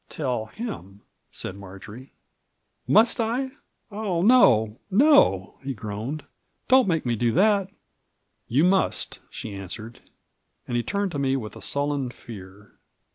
"TeU Aim," said Marjory. " Must I ? Oh, no, no 1 " he groaned, " don't make me do thatl" " You must," she answered, and he turned to me with a sullen fear.